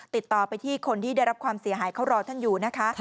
ติดต่อไปที่คนที่ได้รับความเสียหายเขารอท่านอยู่นะคะ